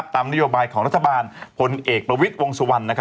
ตามนโยบายของรัฐบาลพลเอกประวิทย์วงสุวรรณ